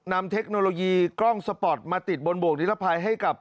เทคโนโลยีกล้องสปอร์ตมาติดบนบวกนิรภัยให้กับ